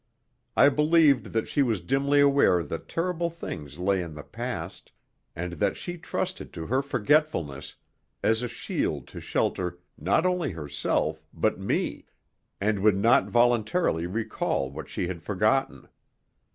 I believed that she was dimly aware that terrible things lay in the past and that she trusted to her forgetfulness as a shield to shelter not only herself but me, and would not voluntarily recall what she had forgotten.